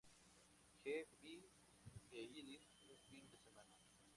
G., Bill e Iris un fin de semana.